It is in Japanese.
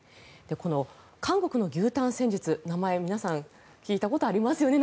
この韓国の牛タン戦術名前、皆さん聞いたことありますよね。